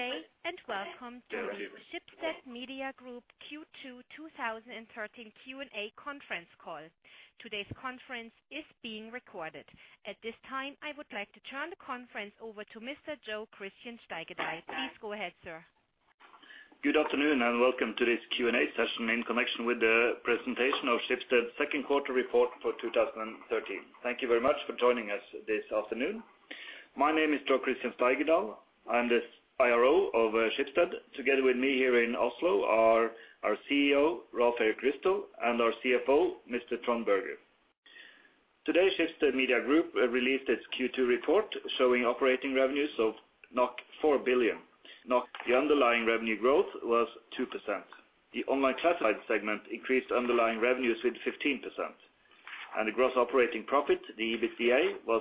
Good day, welcome to Schibsted Media Group Q2 2013 Q&A conference call. Today's conference is being recorded. At this time, I would like to turn the conference over to Mr. Jo Christian Lund-Steigedal. Please go ahead, sir. Good afternoon, and welcome to this Q&A session in connection with the presentation of Schibsted's second quarter report for 2013. Thank you very much for joining us this afternoon. My name is Jo Christian Lund-Steigedal. I'm the CRO of Schibsted. Together with me here in Oslo are our CEO, Rolv Erik Ryssdal, and our CFO, Mr. Trond Berger. Today, Schibsted Media Group released its Q2 report, showing operating revenues of 4 billion. NOK, the underlying revenue growth was 2%. The online classified segment increased underlying revenues with 15%, and the gross operating profit, the EBITDA, was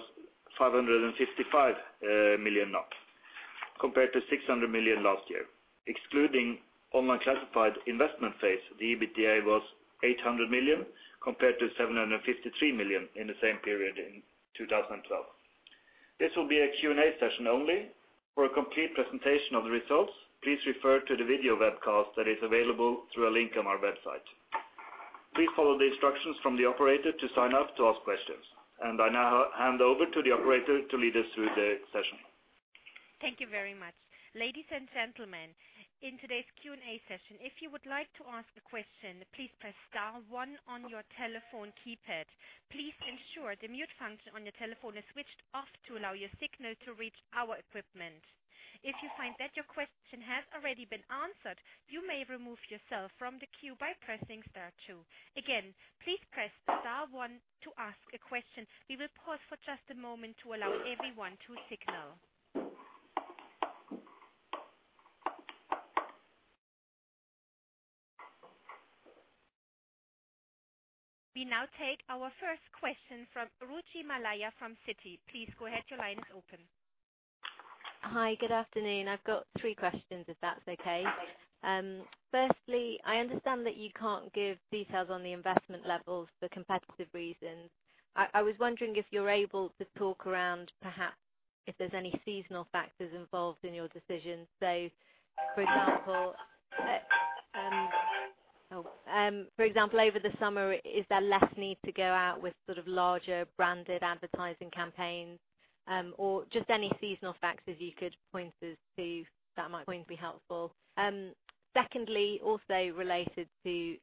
555 million compared to 600 million last year. Excluding online classified investment phase, the EBITDA was 800 million compared to 753 million in the same period in 2012. This will be a Q&A session only. For a complete presentation of the results, please refer to the video webcast that is available through a link on our website. Please follow the instructions from the operator to sign up to ask questions. I now hand over to the operator to lead us through the session. Thank you very much. Ladies and gentlemen, in today's Q&A session, if you would like to ask a question, please press star 1 on your telephone keypad. Please ensure the mute function on your telephone is switched off to allow your signal to reach our equipment. If you find that your question has already been answered, you may remove yourself from the queue by pressing star two. Again, please press star one to ask a question. We will pause for just a moment to allow everyone to signal. We now take our first question from Ruchi Malaiya from Citi. Please go ahead. Your line is open. Hi. Good afternoon. I've got three questions, if that's okay. Firstly, I understand that you can't give details on the investment levels for competitive reasons. I was wondering if you're able to talk around perhaps if there's any seasonal factors involved in your decision. For example, for example, over the summer, is there less need to go out with sort of larger branded advertising campaigns, or just any seasonal factors you could point us to that might going to be helpful. Secondly, also related to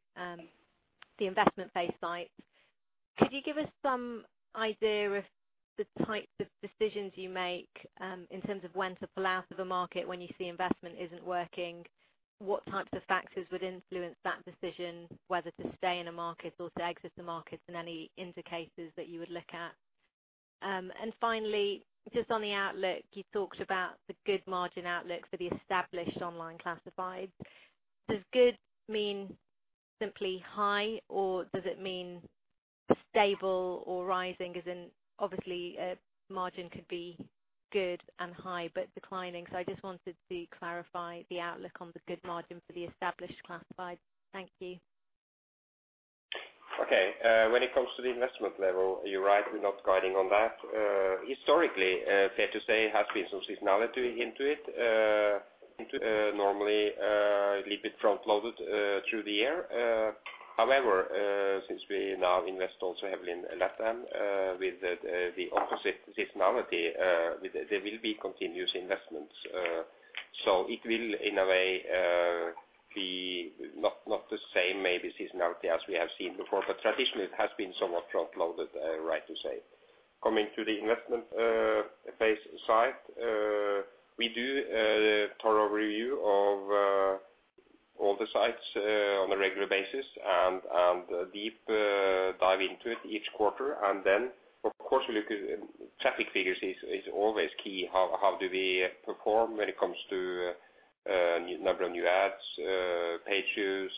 the investment phase sites, could you give us some idea of the types of decisions you make, in terms of when to pull out of a market when you see investment isn't working? What types of factors would influence that decision, whether to stay in a market or to exit the market, and any indicators that you would look at? Finally, just on the outlook, you talked about the good margin outlook for the established online classifieds. Does good mean simply high, or does it mean stable or rising? As in, obviously a margin could be good and high but declining. I just wanted to clarify the outlook on the good margin for the established classifieds. Thank you. Okay. When it comes to the investment level, you're right, we're not guiding on that. Historically, fair to say it has been some seasonality into it. Into, normally, a little bit front loaded through the year. However, since we now invest also heavily in LatAm, with the opposite seasonality, there will be continuous investments. It will, in a way, be not the same maybe seasonality as we have seen before, but traditionally it has been somewhat front loaded, right to say. Coming to the investment phase side, we do a thorough review of all the sites on a regular basis and deep dive into it each quarter. Of course, we look at traffic figures is always key. How do we perform when it comes to number of new ads, page views,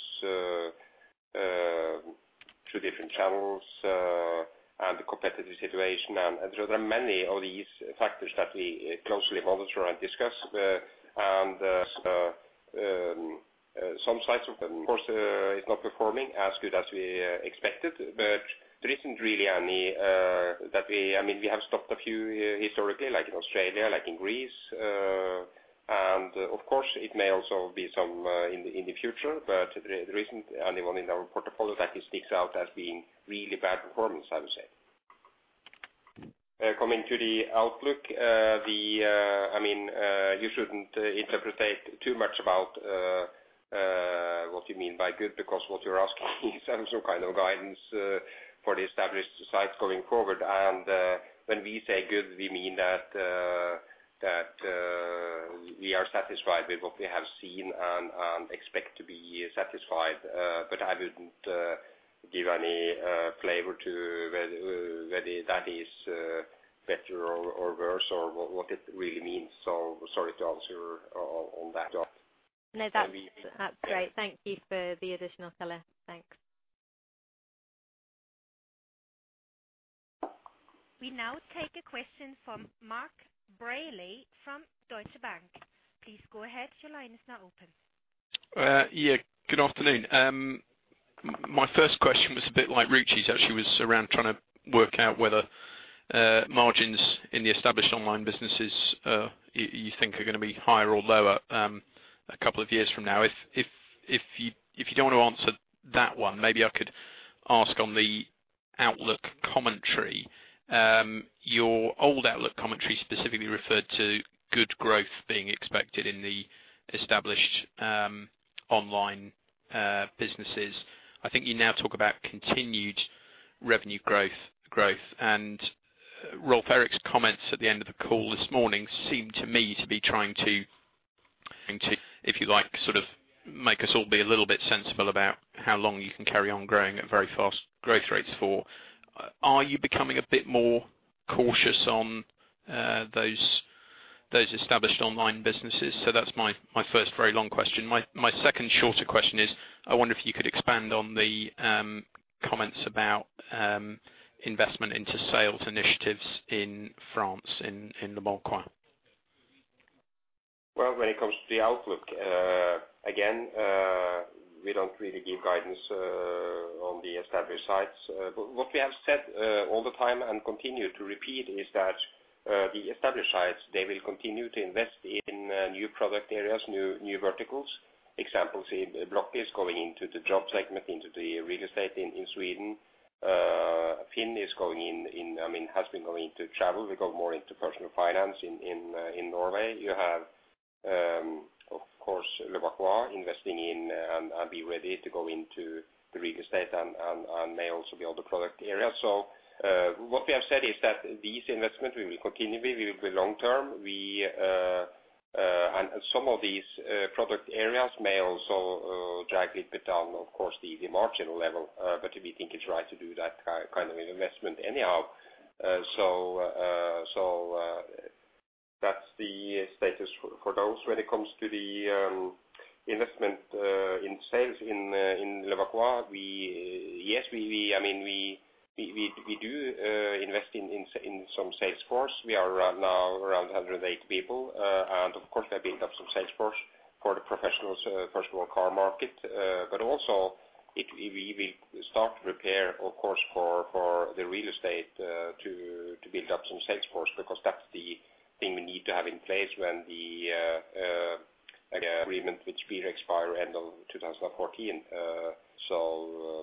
through different channels, and the competitive situation. There are many of these factors that we closely monitor and discuss. Some sites, of course, is not performing as good as we expected, but there isn't really any. I mean, we have stopped a few historically, like in Australia, like in Greece, and of course, it may also be some in the future, but there isn't anyone in our portfolio that sticks out as being really bad performance, I would say. uh, coming to the outlook, uh, the, uh, I mean, uh, you shouldn't interpret too much about, uh, what you mean by good, because what you're asking is some kind of guidance, uh, for the established sites going forward. And, uh, when we say good, we mean that, uh, that, uh, we are satisfied with what we have seen and expect to be satisfied. Uh, but I wouldn't, uh, give any, uh, flavor to whether, uh, whether that is, uh, better or worse or what it really means. So sorry to answer on that. No, that's great. Thank you for the additional color. Thanks. We now take a question from Mark Braley from Deutsche Bank. Please go ahead. Your line is now open. Yeah, good afternoon. My first question was a bit like Ruchi's, actually, was around trying to work out whether margins in the established online businesses, you think are gonna be higher or lower, a couple of years from now. If you don't wanna answer that one, maybe I could ask on the outlook commentary. Your old outlook commentary specifically referred to good growth being expected in the established online businesses. I think you now talk about continued revenue growth. Rolv Erik's comments at the end of the call this morning seemed to me to be trying to, if you like, sort of make us all be a little bit sensible about how long you can carry on growing at very fast growth rates for. Are you becoming a bit more cautious on those established online businesses? That's my first very long question. My second shorter question is, I wonder if you could expand on the comments about investment into sales initiatives in France, in leboncoin. When it comes to the outlook, again, we don't really give guidance on the established sites. But what we have said all the time and continue to repeat is that the established sites, they will continue to invest in new product areas, new verticals. Examples in Blocket is going into the job segment, into the real estate in Sweden. FINN is going I mean, has been going into travel. We go more into personal finance in Norway. You have, of course, leboncoin investing in and be ready to go into the real estate and may also be other product areas. What we have said is that these investments we will continue, we will be long term. We, some of these product areas may also drag a bit down, of course, the marginal level, we think it's right to do that kind of an investment anyhow. That's the status for those. When it comes to the investment in sales in leboncoin, yes, we, I mean, we do invest in some sales force. We are now around 108 people. Of course, they build up some sales force for the professionals, first of all, car market. Also it, we start to prepare of course for the real estate, to build up some sales force because that's the thing we need to have in place when the agreement with SPIR expired end of 2014.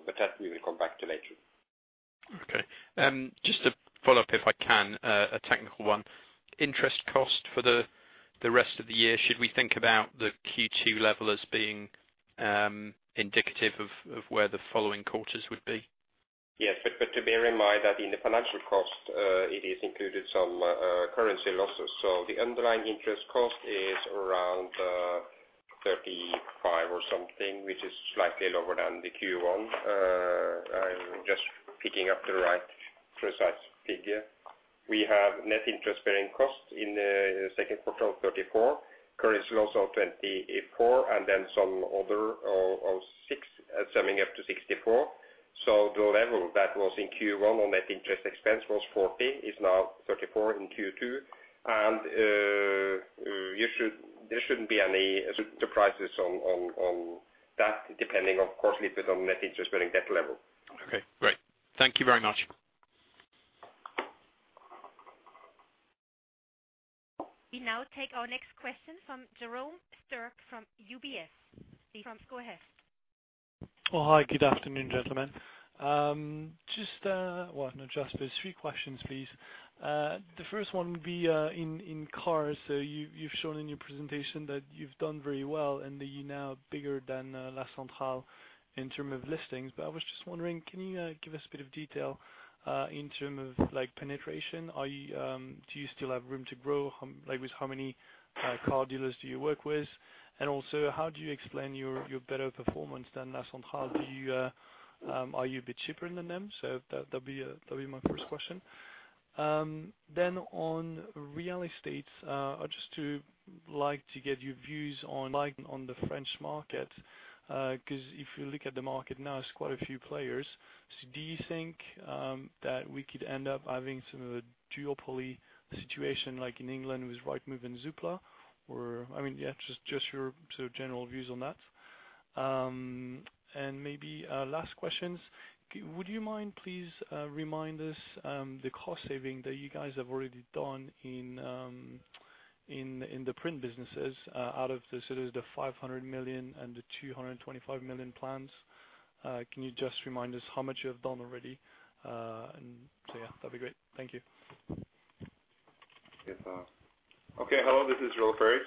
But that we will come back to later. Okay. Just to follow up, if I can, a technical one, interest cost for the rest of the year, should we think about the Q2 level as being indicative of where the following quarters would be? To bear in mind that in the financial cost, it is included some currency losses. The underlying interest cost is around 35 or something, which is slightly lower than the Q1. I'm just picking up the right precise figure. We have net interest bearing costs in second quarter of 34, currency loss of 24, and then some other of 6, summing up to 64. The level that was in Q1 on net interest expense was 40, is now 34 in Q2. There shouldn't be any surprises on that, depending of course a little bit on net interest bearing debt level. Okay. Great. Thank you very much. We now take our next question from Jérôme Bodin from UBS. Jerome, go ahead. Oh, hi. Good afternoon, gentlemen. Well, not just, but it's three questions, please. The first one would be in cars, you've shown in your presentation that you've done very well and that you're now bigger than La Centrale in term of listings. I was just wondering, can you give us a bit of detail in term of like penetration? Are you do you still have room to grow? Like with how many car dealers do you work with? How do you explain your better performance than La Centrale? Do you are you a bit cheaper than them? That'd be my first question. On real estate, I'd just to like to get your views on like on the French market. If you look at the market now, it's quite a few players. Do you think that we could end up having some of the duopoly situation like in England with Rightmove and Zoopla? I mean, yeah, just your sort of general views on that. Maybe last questions. Would you mind please remind us the cost saving that you guys have already done in in the print businesses out of the 500 million and the 225 million plans. Can you just remind us how much you have done already? Yeah, that'd be great. Thank you. Yes, okay. Hello, this is Rolv Erik.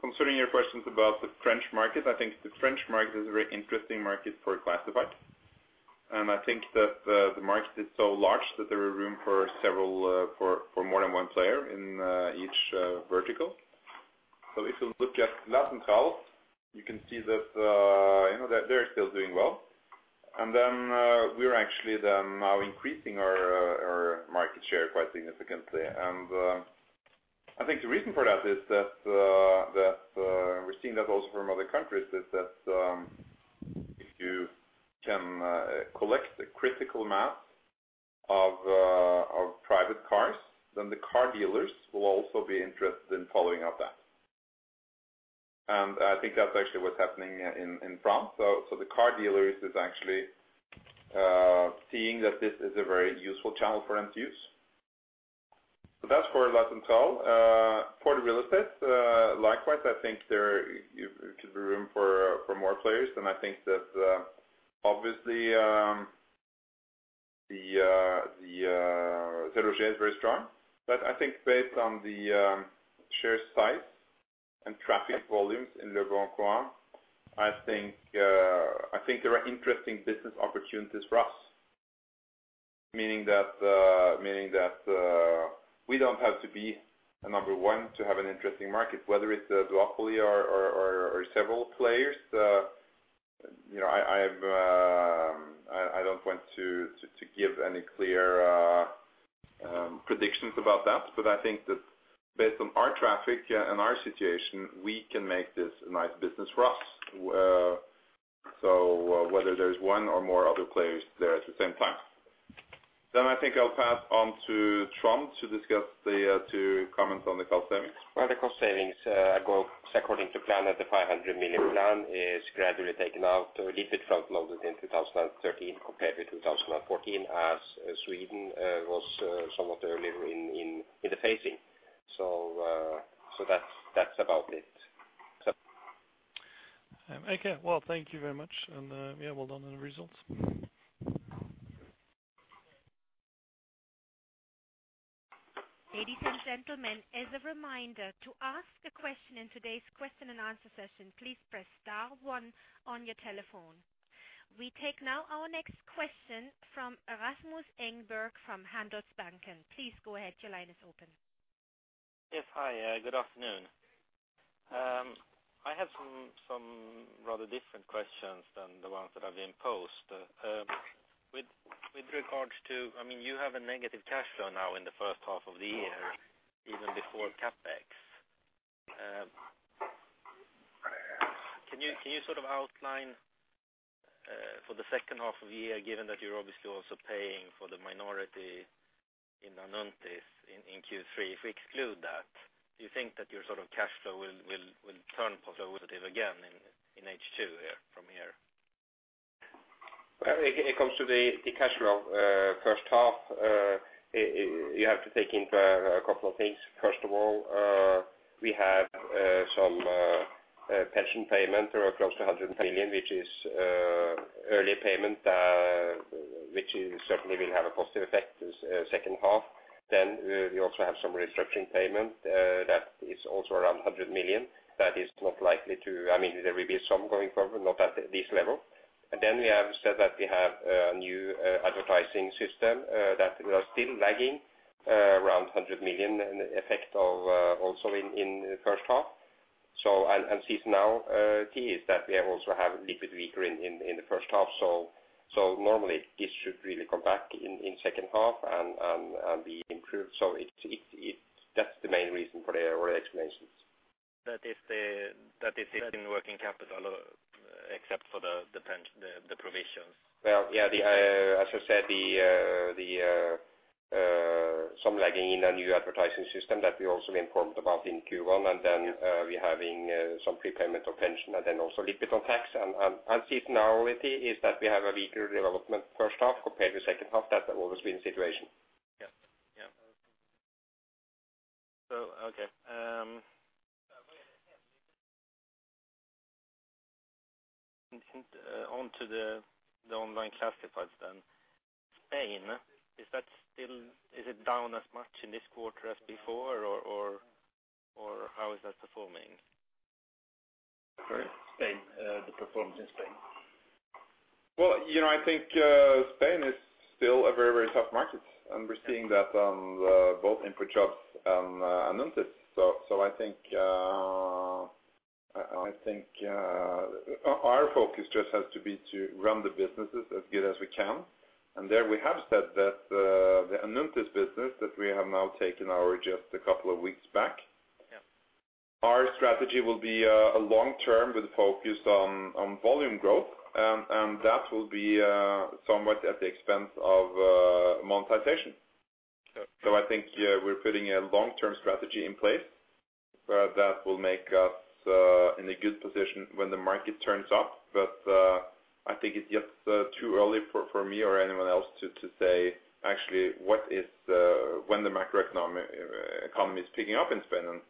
Concerning your questions about the French market, I think the French market is a very interesting market for classified. I think that the market is so large that there is room for several for more than one player in each vertical. If you look at La Centrale, you can see that, you know, they're still doing well. We're actually then now increasing our market share quite significantly. I think the reason for that is that we're seeing that also from other countries is that. Can collect the critical mass of private cars, the car dealers will also be interested in following up that. I think that's actually what's happening in France. The car dealers is actually seeing that this is a very useful channel for them to use. That's for La Centrale. For the real estate, likewise, I think there could be room for more players. I think that, obviously, the SeLoger is very strong. I think based on the share size and traffic volumes in leboncoin, I think there are interesting business opportunities for us. Meaning that we don't have to be a number one to have an interesting market, whether it's a duopoly or several players. you know, I've, I don't want to give any clear predictions about that. I think that based on our traffic and our situation, we can make this a nice business for us. Whether there's one or more other players there at the same time. I think I'll pass on to Trond to comment on the cost savings. Well, the cost savings, go according to plan at the 500 million plan is gradually taken out or a little bit front loaded in 2013 compared to 2014 as Sweden was somewhat earlier in the phasing. That's about it. Okay. Well, thank you very much. Yeah, well done on the results. Ladies and gentlemen, as a reminder to ask a question in today's question and answer session, please press star one on your telephone. We take now our next question from Rasmus Engberg from Handelsbanken. Please go ahead. Your line is open. Yes. Hi. I have some rather different questions than the ones that have been posed. With regards to, I mean, you have a negative cash flow now in the first half of the year, even before CapEx. Can you sort of outline for the second half of the year, given that you're obviously also paying for the minority in Anuntis in Q3, if we exclude that, do you think that your sort of cash flow will turn positive again in H2 from here? When it comes to the cash flow, first half. You have to take into a couple of things. First of all, we have some pension payment across 200 million, which is early payment, which certainly will have a positive effect as second half. Then we also have some restructuring payment that is also around 100 million. That is not likely to. I mean, there will be some going forward, not at this level. Then we have said that we have a new advertising system that we are still lagging around 100 million in effect of also in first half. Seasonality is that we also have a little bit weaker in the first half Normally this should really come back in second half and be improved. That's the main reason for the early explanations. That is it in working capital except for the provisions. Yeah, the, as I said, the some lagging in a new advertising system that we also informed about in Q1. Then we're having some prepayment of pension and then also a little bit on tax. Seasonality is that we have a weaker development first half compared to second half. That's always been the situation. Yeah. Yeah. Okay, onto the online classifieds then. Spain, is it down as much in this quarter as before or how is that performing? For Spain, the performance in Spain? Well, you know, I think Spain is still a very, very tough market, and we're seeing that on both InfoJobs and Anuntis. I think, our focus just has to be to run the businesses as good as we can. There we have said that the Anuntis business that we have now taken our just a couple of weeks back. Yeah. Our strategy will be long-term with focus on volume growth, and that will be somewhat at the expense of monetization. Okay. I think we're putting a long-term strategy in place that will make us in a good position when the market turns up. I think it's just too early for me or anyone else to say actually what economy is picking up in Spain.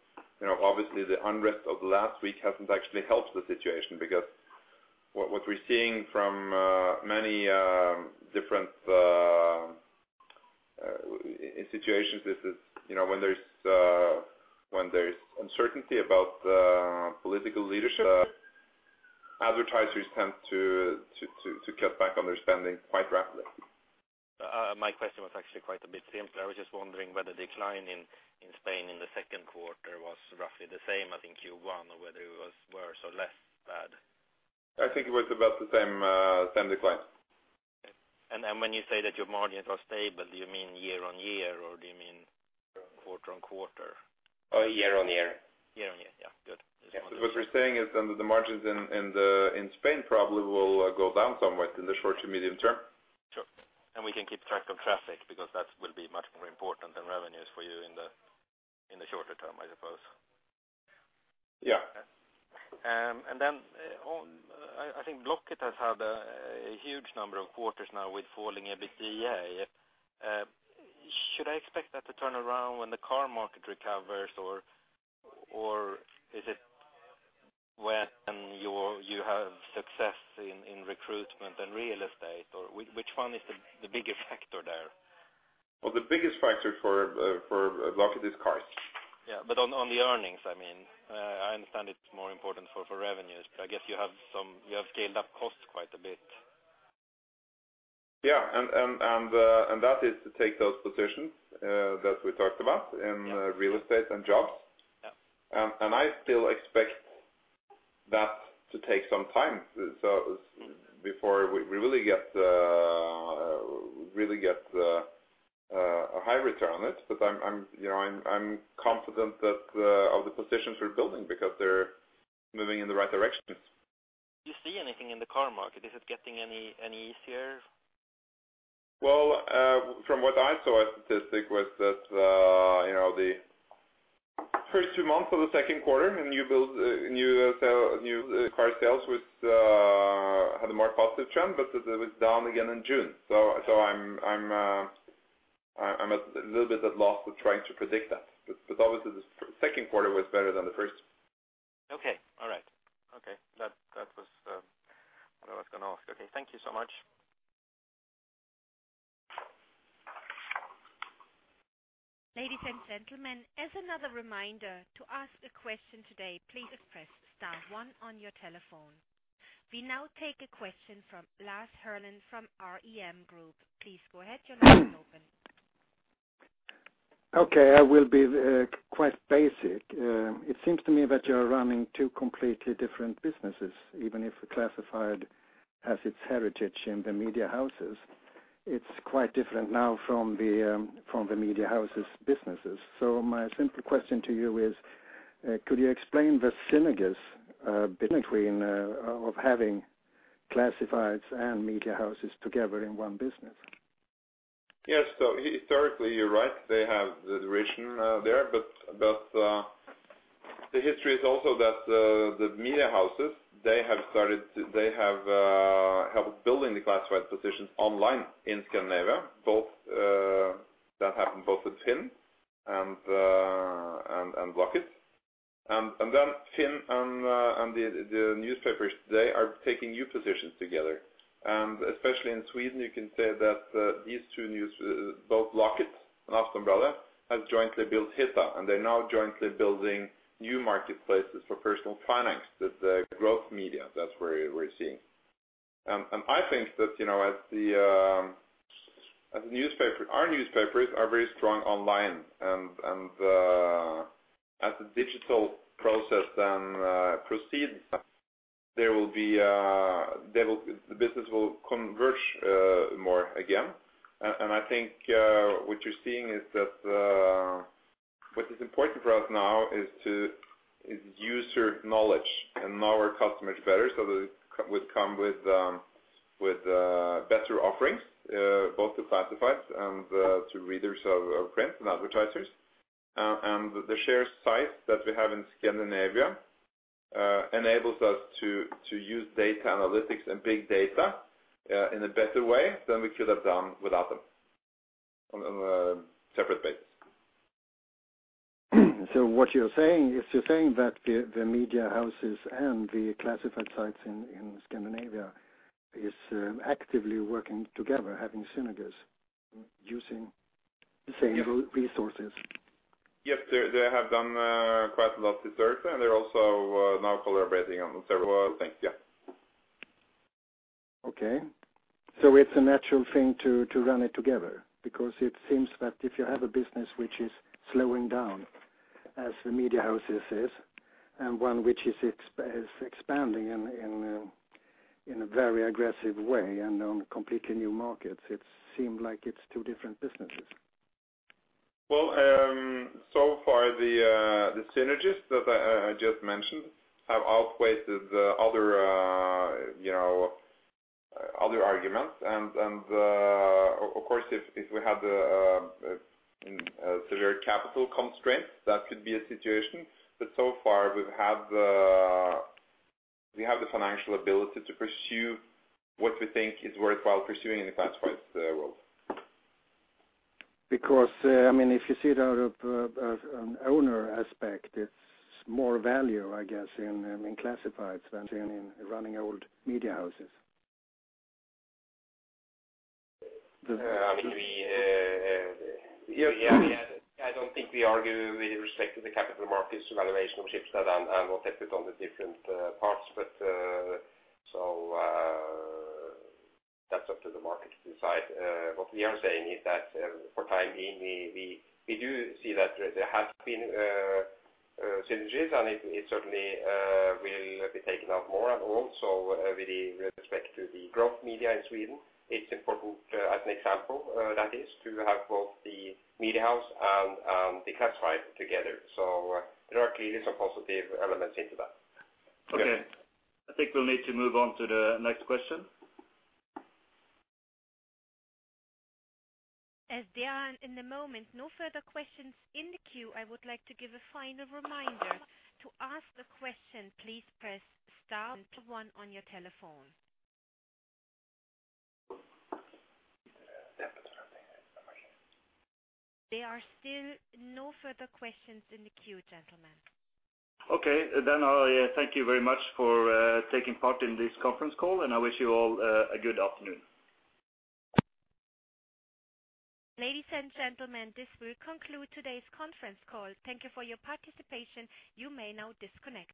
You know, obviously the unrest of last week hasn't actually helped the situation because what we're seeing from many different situations is that, you know, when there's uncertainty about political leadership, advertisers tend to cut back on their spending quite rapidly. My question was actually quite a bit simpler. I was just wondering whether decline in Spain in the second quarter was roughly the same as in Q1 or whether it was worse or less bad. I think it was about the same decline. Okay. And when you say that your margins are stable, do you mean year-over-year, or quarter-over-quarter? year-on-year. Year on year. Yeah, good. What you're saying is then that the margins in Spain probably will go down somewhat in the short to medium term? Sure. We can keep track of traffic because that will be much more important than revenues for you in the, in the shorter term, I suppose. Yeah. I think Blocket has had a huge number of quarters now with falling EBITDA. Should I expect that to turn around when the car market recovers or is it when you have success in recruitment and real estate? Which one is the biggest factor there? Well, the biggest factor for Blocket is cars. Yeah, on the earnings, I mean. I understand it's more important for revenues, but I guess you have scaled up costs quite a bit. Yeah. That is to take those positions, that we talked about… Yeah. in real estate and jobs. Yeah. I still expect that to take some time, before we really get a high return on it. I'm, you know, I'm confident that of the positions we're building because they're moving in the right directions. Do you see anything in the car market? Is it getting any easier? Well, from what I saw, a statistic was that, you know, the first two months of the second quarter, new build, new car sales was had a more positive trend, but it was down again in June. I'm a little bit at loss with trying to predict that. Obviously the second quarter was better than the first. Okay. All right. Okay. That was what I was going to ask. Okay, thank you so much. Ladies and gentlemen, as another reminder, to ask a question today, please press star one on your telephone. We now take a question from Lars Andersen from REM Group. Please go ahead. Your line is open. Okay. I will be quite basic. It seems to me that you're running two completely different businesses, even if Classifieds has its heritage in the media houses. It's quite different now from the from the media houses businesses. My simple question to you is, could you explain the synergies between of having Classifieds and media houses together in one business? Yes. Historically, you're right. They have the duration there. The history is also that the media houses, they have helped building the classified positions online in Scandinavia, both. That happened both with Finn and Blocket. Then Finn and the newspapers, they are taking new positions together. Especially in Sweden, you can say that these two news, both Blocket and Aftonbladet, have jointly built Hitta, and they're now jointly building new marketplaces for personal finance with the Growth media. That's where we're seeing. I think that, you know, as Our newspapers are very strong online and as the digital process then proceeds, there will be the business will converge more again. I think, what you're seeing is that, what is important for us now is user knowledge and know our customers better, so that it would come with better offerings, both to Classifieds and to readers of print and advertisers. The share size that we have in Scandinavia enables us to use data analytics and big data in a better way than we could have done without them on a separate basis. What you're saying is you're saying that the media houses and the classified sites in Scandinavia is actively working together, having synergies, using the same resources? Yes. They have done quite a lot this year, and they're also now collaborating on several other things. Yeah. Okay. It's a natural thing to run it together because it seems that if you have a business which is slowing down, as the media houses is, and one which is expanding in a very aggressive way and on completely new markets, it seem like it's two different businesses. Well, so far the synergies that I just mentioned have outweighed the other, you know, other arguments. Of course, if we had a severe capital constraint, that could be a situation. So far We have the financial ability to pursue what we think is worthwhile pursuing in the Classifieds world. I mean, if you see it out of an owner aspect, it's more value, I guess, in Classifieds than in running old media houses. I mean, we don't think we argue with respect to the capital markets valuation of Schibsted and what's happened on the different parts. That's up to the market to decide. What we are saying is that for time being, we do see that there has been synergies, and it certainly will be taking up more. Also, with respect to the Growth media in Sweden, it's important as an example, that is to have both the media house and the Classifieds together. There are clearly some positive elements into that. Okay. I think we'll need to move on to the next question. There are in the moment no further questions in the queue, I would like to give a final reminder. To ask a question, please press star one on your telephone. There are still no further questions in the queue, gentlemen. Okay. I thank you very much for taking part in this conference call, and I wish you all a good afternoon. Ladies and gentlemen, this will conclude today's conference call. Thank you for your participation. You may now disconnect.